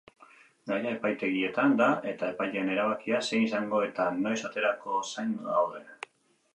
Gaia epaitegietan da eta epaileen erabakia zein izango eta noiz aterako zain gaude.